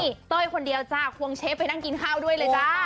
นี่เต้ยคนเดียวจ้าควงเชฟไปนั่งกินข้าวด้วยเลยจ้า